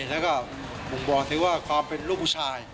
แล้วก็ผมบอกถือว่าความเป็นรูปผู้ชาย